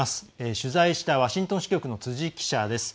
取材したワシントン支局の辻記者です。